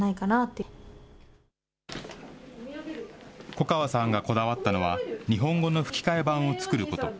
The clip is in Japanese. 粉川さんがこだわったのは、日本語の吹き替え版を作ること。